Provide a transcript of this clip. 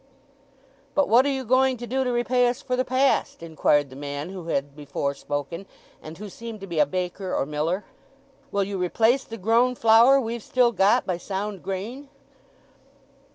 "But what are you going to do to repay us for the past?" inquired the man who had before spoken, and who seemed to be a baker or miller. "Will you replace the grown flour we've still got by sound grain?"